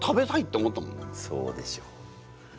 そうでしょ。